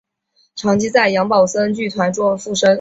长期在杨宝森剧团做副生。